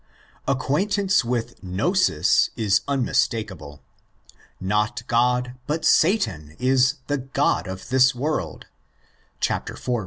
Acquaintance with gnosis 18 unmistakeable. Not God but Satan is '' the God of this world"' (iv.